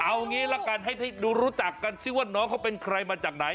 เอางี้ละกันให้ดูรู้จักกันซิว่าน้องเขาเป็นใครมาจากไหน